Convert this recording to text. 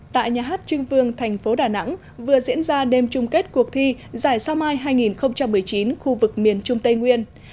tại nhà hát trưng vương thành phố đà nẵng vừa diễn ra đêm chung kết cuộc thi giải sao mai hai nghìn một mươi chín khu vực miền trung tây nguyên